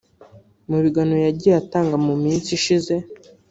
Mu biganiro yagiye atanga mu minsi ishize